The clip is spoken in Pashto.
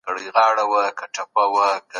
پر ما به اور دغه جهان ســـي ګــــرانــــي!